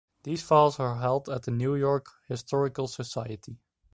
These files are held at the New-York Historical Society.